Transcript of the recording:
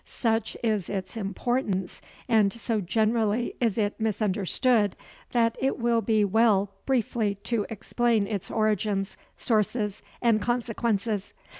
Such is its importance, and so generally is it misunderstood, that it will be well briefly to explain its origins, sources, and consequences.